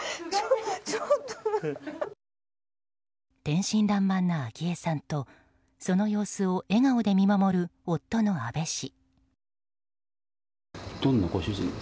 天真らんまんな昭恵さんとその様子を笑顔で見守る夫の安倍氏。